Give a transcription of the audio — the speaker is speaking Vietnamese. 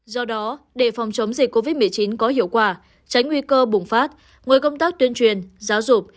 do đó để phòng chống dịch covid một mươi chín có hiệu quả tránh nguy cơ bùng phát ngoài công tác tuyên truyền giáo dục